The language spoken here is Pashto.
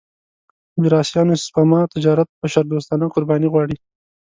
میراثيانو سپما تجارت بشردوستانه قرباني غواړي.